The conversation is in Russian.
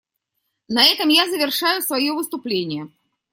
На этом я завершаю свое выступление.